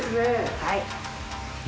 はい。